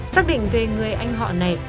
xác định về người anh họ này